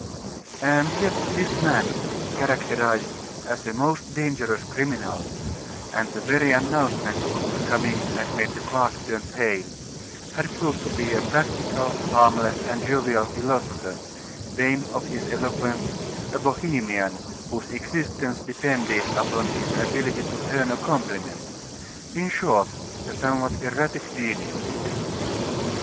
And yet this man, characterized as a most dangerous criminal, and the very announcement of whose coming had made the clerk turn pale, had proved to be a practical, harmless, and jovial philosopher, vain of his eloquence, a bohemian whose existence depended upon his ability to turn a compliment; in short, a somewhat erratic genius.